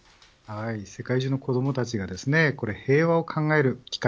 世界中の子どもたちが平和を考える機会